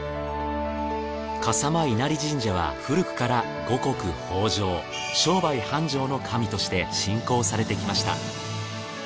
笠間稲荷神社は古くから五穀豊穣商売繁盛の神として信仰されてきました。